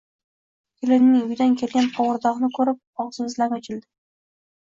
Kelinning uyidan kelgan qovurdoqni ko‘rib og‘zimiz lang ochildi